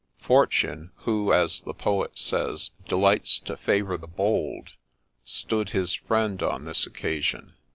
Fortune, who, as the poet says, delights to favour the bold, stood his friend on this occasion.